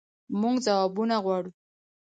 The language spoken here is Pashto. مونږ ځوابونه غواړو